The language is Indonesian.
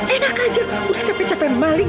enak aja udah capek capek maling